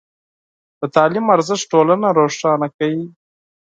د تعلیم ارزښت ټولنه روښانه کوي.